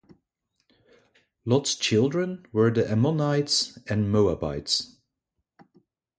Lot's children were the Ammonites and Moabites.